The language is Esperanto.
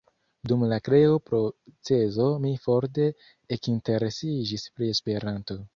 Dum la kreo-procezo mi forte ekinteresiĝis pri Esperanto.